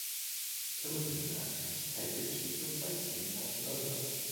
Television actress Kate Ritchie replaced him at Nova.